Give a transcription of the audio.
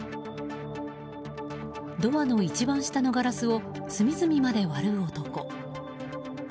ドアの一番下のガラスを隅々まで割る男。